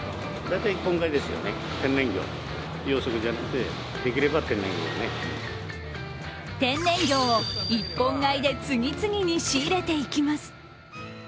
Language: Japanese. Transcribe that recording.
天然魚を一本買いで次々に仕入れていきます。